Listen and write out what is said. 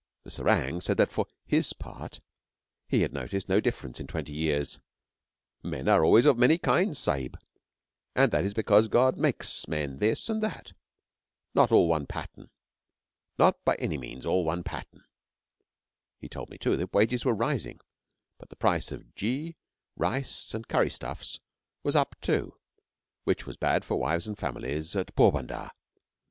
The serang said that, for his part, he had noticed no difference in twenty years. 'Men are always of many kinds, sahib. And that is because God makes men this and that. Not all one pattern not by any means all one pattern.' He told me, too, that wages were rising, but the price of ghee, rice, and curry stuffs was up, too, which was bad for wives and families at Porbandar.